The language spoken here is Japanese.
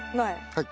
はい。